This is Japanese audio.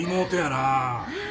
なあ。